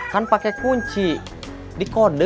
kan pakai kunci dikode